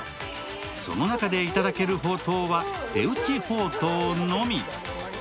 その中でいただける、ほうとうは手打ちほうとうのみ。